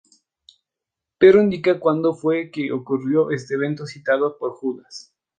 Pedro indica cuándo fue que ocurrió este evento citado por Judas.